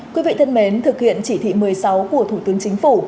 quý vị thân mến thực hiện chỉ thị một mươi sáu của thủ tướng chính phủ